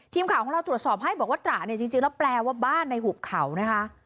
ทีมข่าวของเราตรวจสอบให้บอกว่าตระเนี่ยจริงแล้วแปลว่าบ้านในหุบเขานะคะ